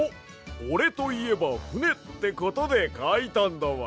おれといえばふねってことでかいたんだわ。